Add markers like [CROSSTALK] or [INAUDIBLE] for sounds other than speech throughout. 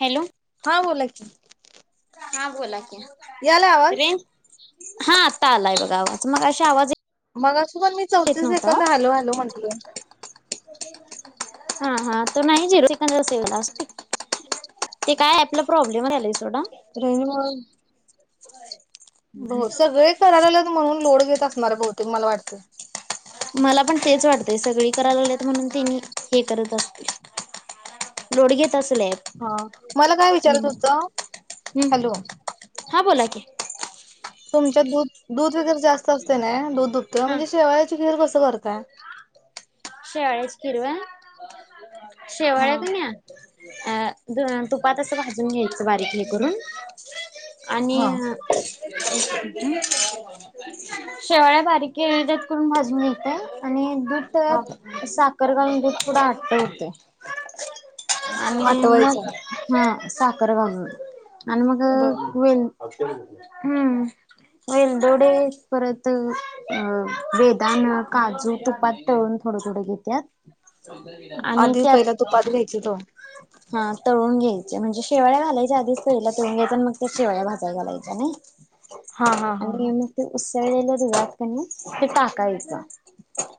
Hello. हा बोला की. हा बोला याला रे आवाज हा आत्ता आलाय बघा आवाज मगशी आवाज मग. ऊगच मी येत चौथीस नव्हता ओ सेकंद हॅलो हॅलो म्हंटल हा. हा. तो नाही जि [UNINTELLIGIBLE] ते काय आतला प्रॉब्लेम झाला सोडा होय रेंज मुळे हो सगळे करायलाल्यात म्हणून लोड घेत असणार बहूतेक मला वाटतं मला पण तेच वाटतय सगळी करायला लागलेत म्हणून ते नी हे करत असते लोड घ हा मला काय विचारायच होत हॅलो हां बोला की तुमच्यात दूध दूध वगैरे जास्त असते ना दध दुध हा म्हणजे शेवायाची खीर कस करताय हिरवा हा शेवाळ्या कन्यी अ तुपात असं भाजून घ्यायचं बारीक करून आणि हा शेवाळ बारीक केळीगत करून भाजून येतं आणि दुध हा तव्यात साखर करगालून दूध पुढं आटवतय आणि आठवायचा मग हम् साखर घालून आणि मग बर वेल हम्म वेलदोडे पररत अ बेदान काजू तुपात तळून थोडं थोडं घेत्यात आणि आधी पहिला त्यात तुपात घ्यायच त हा तळून घ्यायचे म्हणजे शेवाळ्या घालायच्या आधीच तळीला तळून घ्यायच्या आणि मग त्या शेवाळ्या भाज्या घालायच्या ना हा हा हा हा आणि मग ते ल तुझं [UNINTELLIGIBLE] नाही ते टाकायचं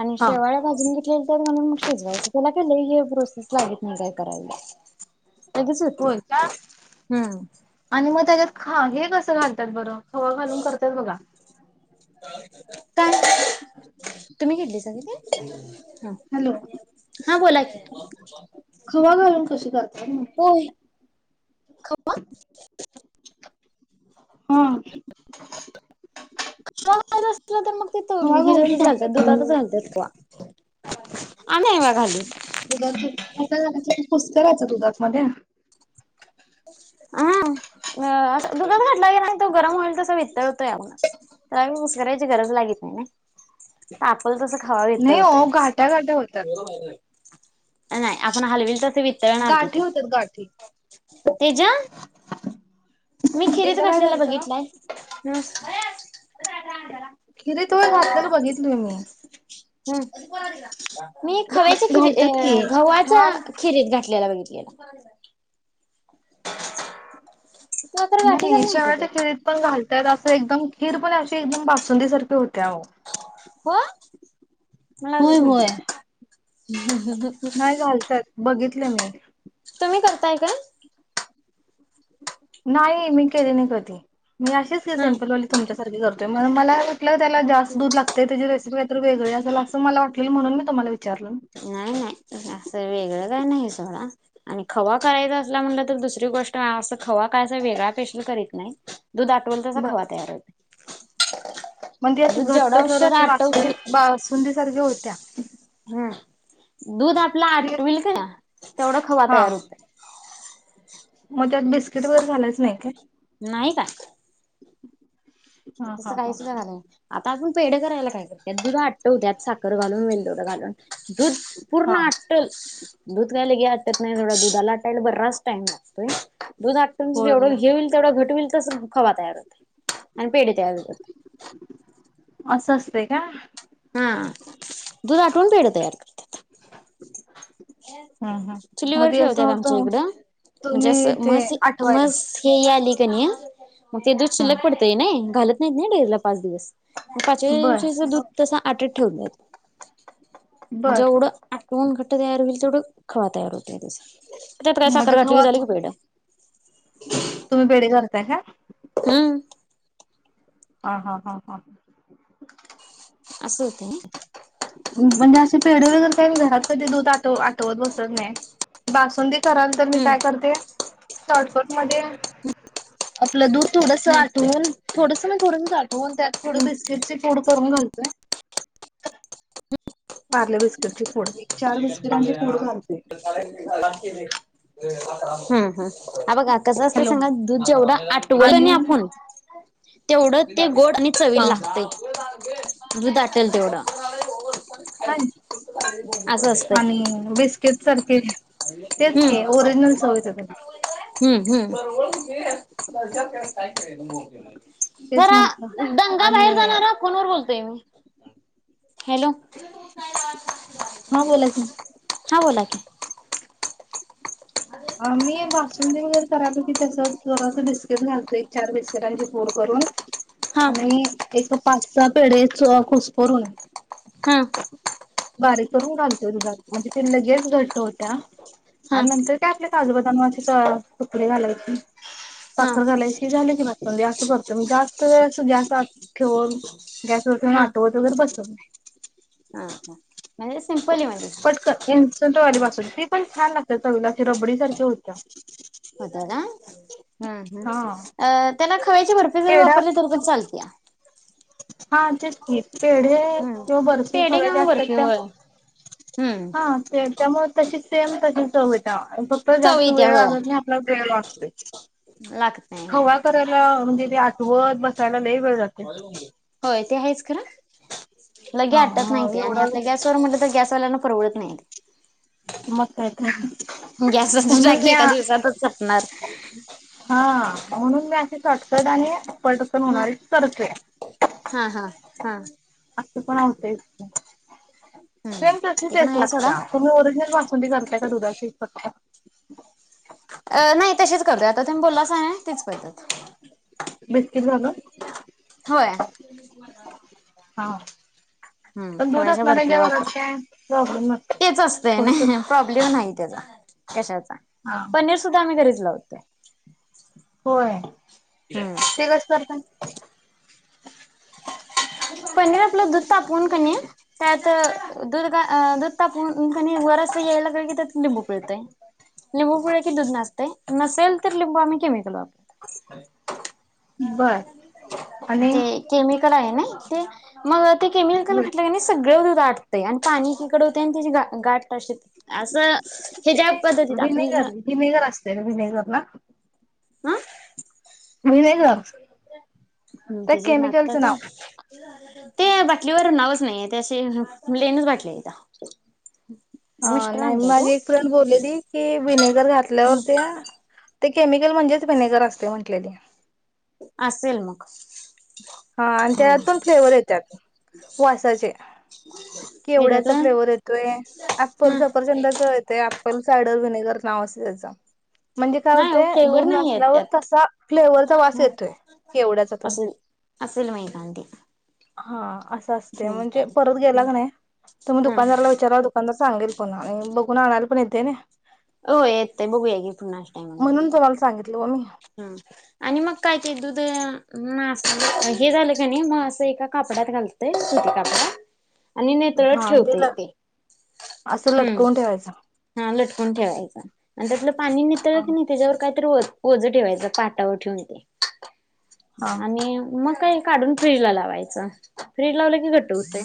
आणि हा शेवाळ भाजून घेतलेले त्यात घालुन मग शिजवायच त्याला केलं प्रोसेस लागत नाही काय करायला लगेच होत्या. होय काय हम्म आणि मग त्याच्यात खा हे कस घालतात बरं हवा घालून करतायत बघा 'मुक्त आहे का' काय तुम्ही घेतली सग ते ह हॅलो हा बोला क खवा घालून कशी करतात होऊ हा अस तर मग ते खवा घालून घिजतच [UNINTELLIGIBLE] घालतात करतात दुधातच घालतात का ह [UNINTELLIGIBLE] आलंय वाघाली- [UNINTELLIGIBLE] त्या 'पुस्करायचं दुधात कमध्या - [UNINTELLIGIBLE] हा -अस दुधात घटला गे तो गरम होईल तस वित्तळतोय म्हच तर आ्ही उस्करायची गरज लागत नाही ना ता प तस खावावीेत नाही होते. हो [INAUDIBLE] गाठ्या गाठ्या होतात. नाही आपण हलविल तर गाठी होतात गाठी- तेच्या- [UNINTELLIGIBLE] मी खिरीत एकदा काय घाठलेला झालत बघितलंय ह खिरीत होय घातलेलं बघितलोय मी. [INAUDIBLE] मी खवच्या खिरी घालतात की गववाच्या छान खिरीत घठ- [UNINTELLIGIBLE] कॅलरोचियांत [UNINTELLIGIBLE] नाही शेवाटच्या खेरीत पण घाल त्यात असं एकदम खीर पण -अ एकदम बासुंदी सारख्या होत्या हो. [INAUDIBLE] हो मला होय आजच माहित -होय झालं नाही, घालतात बघितलं लं मी [UNINTELLIGIBLE] तुम्ही करताय काय? [INAUDIBLE] नाही मी केले नाही कधी. मी असेच का हा सिम्पलले तुमच्यात. [UNINTELLIGIBLE] ठरलं होतं ना मला आलं. [UNINTELLIGIBLE] आपलं त्याला जास्त दूध लागते त्याची रेसिपी तर वेगळी असेल असं मला म्हून मी तुला [UNINTELLIGIBLE] नाही नाही असं वेगळं काय नाही आणि खवा करायचा असला, म्हटलं तर दुसरी गोष्ट अस खवा कायचा वेगळा पेशल करीत नाही. दूध आठवून तस खावा बस तयार होत. [INAUDIBLE] म्हणजे अस घट्ट सर अे बसुंदी बसुंदी सारख्या होत्या- [INAUDIBLE] हा दुध आ- [UNINTELLIGIBLE] [UNINTELLIGIBLE] आपला- हे आटल का तेवढा खवा हा तयार होत. मग त्यात बिस्किट वगर घालायच नाही का? नाही काय [INAUDIBLE] हा तसं हा हा काहीच का झा नाही आता आपजण पेढ करायला काय कर- [UNINTELLIGIBLE] त्यात दुध आटवत्यात साखर घालून, वेंलदोड घालून, [INAUDIBLE] दुध हा पूर्ण आट्टल दूध [UNINTELLIGIBLE] कायले घ्याच त्यात नाही थोडा दुधा आटायला बर रास [UNINTELLIGIBLE] टाइम लागतोय दूध आटल होय होय जेवढं हे व्हील तेवढं घट व्हील तसं खवा तयार होतय असं असतंय का? हा दूध आटवून पेड तयार कर. हा हा मग चुलीवर ते असं ठेवत्यात आमच्या होतं इकड म्हणजे अस तुम्ही ते मस आठवायला. मसी ही आली [UNINTELLIGIBLE] मग ते दूध हा शिल्लक पडतय नी घाल [UNINTELLIGIBLE] डेवलप पाच दिवस पाचवी बर दिवशीची दुध आटत ठेवलेल बर जेवढ आटवू घट्ट तयार व्हील तेवढ खवा तयार होतय त्याच त्यात काय मग तो साखर घातली की खवा झाल की पेढ. तुम्ही [UNINTELLIGIBLE] हम्म हा हा हा हा. अस होतय ते पेढे वगैरे काय मी काय घरात कधी दूध आटव आटवत बसत नाही बासुंदी कराल तर मी हम्म काय करते शॉटकट मध्ये आपलं दूध थोडस हम्म आटवून थोडस थोडसं चाल हो त्यात थोडं हम्म. बिस्किटची पुड करून घाल पार्ले बिस्किटची पुड [UNINTELLIGIBLE] ठेवल्या [UNINTELLIGIBLE] हम्म हम्म हा बघा कसं असत हॅलो सांगा दूध जेवढं आटवलं आणि कनी आपून तेवढं ते गोड आणि हा चवीला लागतय दुध आटल तेवढं [UNINTELLIGIBLE] असं असतंय आणि बिस्किटच [UNINTELLIGIBLE] तेच की हम्म. ओरिजनल चव येत्या त्यला हम्म हम्. तेच जरा म्हंटलं दंगा, बाहेर आणि जाणारा फोनवर बोलतोय मी. हॅलो. हा बोला की. हा बोला की मी बासुंदी वगैरे करालो की तस जरासं बिस्कीट घालतोय एक चार बिस्किटांची फोड करून. हा आणि एक पाच सहा पेढे च खुसकरून. ह.. बारीक करून घालतोय. दुधात म्हणजे, ती लगेस घट्ट होत्या. हा आणि नंतर काजू बदामाची तुकडे घालायची. हा साखर घालायची झाल की. बासुंदी आस करतोय, जास्त वेळ जास्त गॅस व गॅस ठेवत हा आठवत वगैरे बसत नाही. हा म्हणजे सिम्पली म्हणजे. पटकन [UNINTELLIGIBLE] बासुंदी ती पण छान लागते चवीला. ती रबडी सारखी होत्या. होत काय, हम.. हा हम त्याला खव्याची बर्फी जरी पेढा वापरली तरी पण चालत्या. हा तेच की पेढे. हम्म किंवा बर्फ पेढे खव्याची किंवा असत्यात बर्फी त्या, होय हम्म हा ते त्यामुळे तशी सेम तशीच चव येत्या. फक्त चव जास्त येत्या वेळ होय. लागत नाही. आपल्याला वेळ लागतोय लागत नाही होय. खवा करायला म्हणजे ते आठवत बसायला लयी वेळ जातोय. [INAUDIBLE] होय ते आहेच खर. लगे हा आटत नाही मग ते. आणि एवढा आपल्या गॅसवर म्हटलं तर गॅसवाल्याना परवडत नाही ते. मग काय तर, गॅसाची म्हणून टाकी मी एका दिवसातच संपणार हा म्हणून मी अशी चटचट आणि पटकन ह होणारी करतोय. हा हा हा. असं पण होतयच की. [INAUDIBLE] हम्म सेम तशीच ते पण टेस्ट आहे सोडा लागत्या, तुम्ही ओरिजनल बासुंदी करताय त्या दुधाची फक्त. [INAUDIBLE] अं नाही तशीच करत्यात आता तुम्ही बोललासा तीच.. पळतात बिस्किट झाल होय हा हम पण दूध खव्याच्या बर्फ्या असणाऱ्यांच्या घरात वापरते, काय प्रॉब्लेम नसतो. तेच असतंय करतो ना प्रॉब्लेम नाही तेजा कशाच हा पनीर सुद्धा आम्ही घरीच... लावतोय होय, हम्म ते कस करता? पनीर आपलं दुध.. तापवुन कणी त्यात दुध दूध तापवून कनी वर अस यायला लागेल की त्यात लिंबू पिळतेय लिंबू पिळं की दूध नासते, नसेल तर लिंबू आम्ही केमिकल वापरत बर आणि कल आहे नई ते मग ते केमिकल घातलं कनी सगळं दुध.. गाठतय आणि पाणी एकीकड होतय आणि त्याची गाठ तशीच ते आपण ह व्हिनेगर व्हिनेगर असते व्हिनेगर ना व्हिनेगर त्या त्याच नाता केमिकलचं का नाव ते बाटलीवर नावच नाही त्या असे प्लेनच बाटली आहेता हा नाही माझी एक फ्रेंड बोललेली की विनेगर घातल्यावर हम्म ते.. ते केमिकल म्हणजेच विनेगर असतय म्हटलेली असेल मग हा आणि त्यात हम्म पण फ्लेवर येत्यात वासाचे येत्यात केवड्याचा होय फ्लेवर हम्म येतोय ऍपल सपरचंदाच येतय अप्पल सायडर व्हिनेगर नाव असंतय त्याच म्हणजे काय नाही होते ओ फ्लेवर दूध नाही आहेत नासल्यावर त्यात तसा फ्लेवरचा वास येतोय, केवड्याचा तेन असेल असेल म एकांदी हा असं असते म्हणजे परत गेला का नाही तुम्ही हम्म दुकानदाराला विचारा दुकानदार सांगेल पण आणि बघून आणायला पण ये.. ते ना हो येतय बघूया की पुन्हा टाइम म्हणून तुम्हाला सांगितलं ओ मी हा आणि मग काय ते दुध मासल हे झालं का नाही. मग असं एका कापड्यात घालतय सुती कापडा आणि नेतळच हा ते ठेवते ल तेे असं हम्म लटकवून ठेवायचं हा लटकून ठेवायचं. आडयातल पाणी नेता हा की नाही त्याच्यावर काय तर वत पओझ ठेवायचं पाटावर ठेवून हा आणि मग काय? काढून फ्रीज लावायचं, फ्रीज लावलं की घट होते.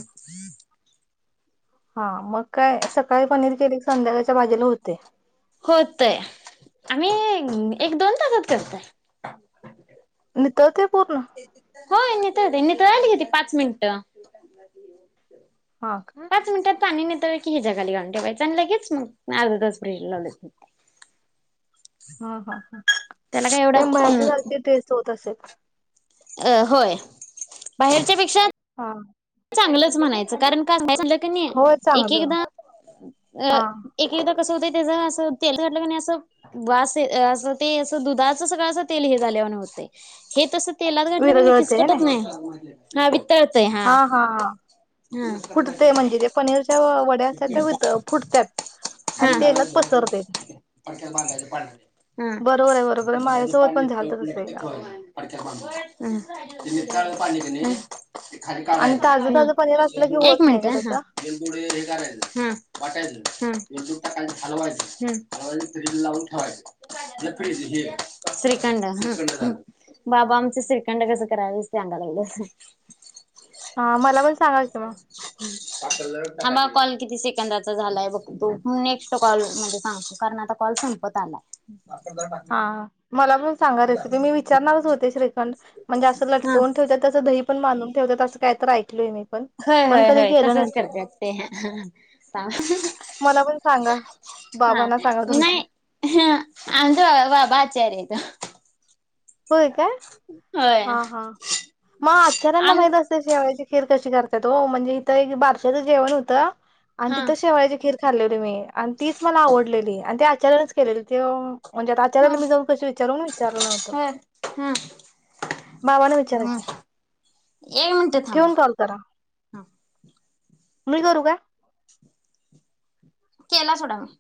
हा मग काय? सकाळी पनीर केली संध्याकाळच्या भाजीला होते. होतयं. आम्ही एक दोन तासच करतयं. तते होय ना नी तर नितळायला किती पाच मिनटं- हा का पाच मिनटात तरणी नाही. हिच्यागाली घऊन ठेवायचं आणि लगेच मग अर्ध तास फ्रिज लावले. हा हा एवढा ते मग याच्यासारखे ड्रेस होत असेल अ होय बाहेरच्या पेक्षा- हा. चांगलच म्हणायच कारण का? क होय एक चांगलं एकदा अ हा एक एकदा कस होतय ते अस तेल घातल्या वाणी अस वास ये ते अस दुधाच तेल हे झाल्या वाणी वाटतय हे तस ते तेलात घटलं क नाही विरगळते हाय ना फिसकटत नाही. हा वी तळतयं हा- हा कुठ ते म्हणजे ते पनीरच्या व आणि तेलात पसरते हम् बरोबर आहे बरोबर आहे माझ्यासोबत हम् पण झालत तस एकदा हम् पाणी त नाही- आणि ताजं ताजं पनीर असलं की ह होत एक नाही मिनट ग तसं ह. वाटाय दु का हलवायचेलवाय फज लावून ठेवायचे लपडीच हे श्रीखंड बाबा आमचे श्रीकंड कस काय बसते अंगाला उगाच नाही- हा मला पण सांगाल कि म- असं जर, हा मग कॉल किती सेकंदाचा झालाय बघतो. नेक्स्ट कॉल म्हणजे सांगतो कारण आता कॉल संपत आलाय. [UNINTELLIGIBLE] हा मला पण सांग रेसिपी मी विचारणारच होते म्हणजे असं हा लटकवून ठेवतात तसं दही पण बांधून ठेवताय असं काय तर ऐकलय मी. पण होय पण होय कधी होय केलं नाही तसच ट्राय. करते ते हा, मला पण सांगा हा बाबांना सांगा नाही तुमच्या आमच्या बाबा आचार येत होय काय हा हा, मग आच्चाऱ्यांना आंग माहित असते शेवायची खीर खीर कशी करतात हो. म्हणजे इथं एक बारशाचं जेवण होतं आणि हा तिथे शेवयाची खीर खाल्ली होती मी. आणि तीच मला आवडलेली आणि त्यात त्यांनीच केलेली ती ओ. म्हणजे हा आचार्याला मी जाऊ कशी विचारू? विचारलं नव्हतं होय हा बावाने हा विचारायचे. एक मिनिट थांबा ठेवुन कॉल करा. हा मी करू काय? केला सोडा मी.